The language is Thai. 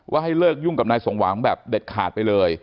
ให้เลิกยุ่งกับนายสมหวังแบบเด็ดขาดไปเลย